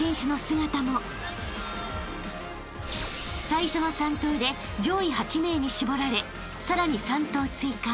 ［最初の３投で上位８名に絞られさらに３投追加］